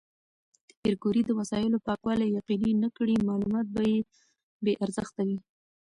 که پېیر کوري د وسایلو پاکوالي یقیني نه کړي، معلومات به بې ارزښته وي.